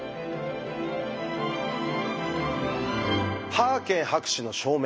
ハーケン博士の証明